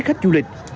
khách du lịch